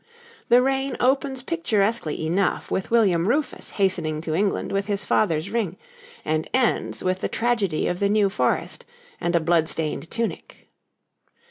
The reign opens picturesquely enough with William Rufus hastening to England with his father's ring, and ends with the tragedy of the New Forest and a blood stained tunic.